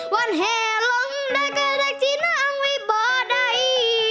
วันแหลงได้ก็ได้จินังไว้บ่ได้